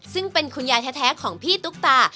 ซึ่งเป็นคุณยายแท้ของพี่ตุ๊กตา